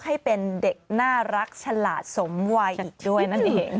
ให้เป็นเด็กน่ารักฉลาดสมวัยอีกด้วยนั่นเอง